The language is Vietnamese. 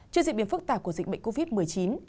trước diễn biến phức tạp của dịch bệnh covid một mươi chín